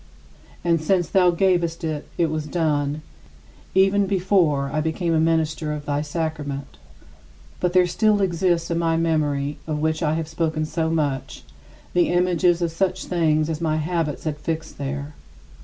And since thou gavest it, it was done even before I became a minister of thy sacrament. But there still exist in my memory of which I have spoken so much the images of such things as my habits had fixed there.